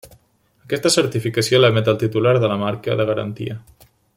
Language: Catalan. Aquesta certificació l'emet el titular de la marca de garantia.